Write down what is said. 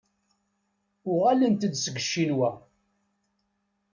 Uɣalent-d seg Ccinwa.